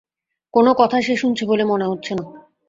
কোনো কথা সে শুনছে বলে মনে হচ্ছে না।